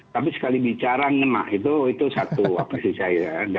tapi sekali bicara ngena itu satu apa sih saya